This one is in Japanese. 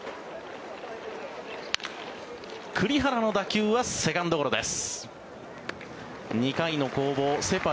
栗原の打球はセカンドゴロです。